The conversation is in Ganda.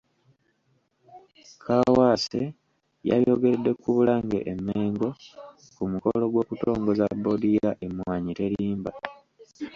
Kaawaase yabyogeredde ku Bulange e Mmengo ku mukolo gw’okutongoza boodi ya ‘Emmwaanyi Terimba".